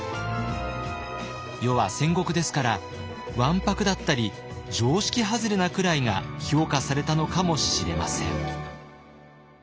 世は戦国ですからわんぱくだったり常識外れなくらいが評価されたのかもしれません。